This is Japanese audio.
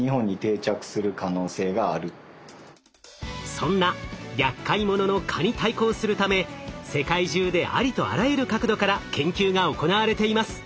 そんなやっかい者の蚊に対抗するため世界中でありとあらゆる角度から研究が行われています。